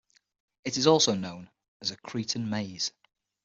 It is also known as a "Cretan maze".